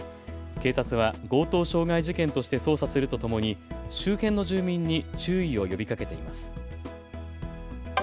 警察は強盗傷害事件として捜査するとともに周辺の住民に注意を呼びかけています。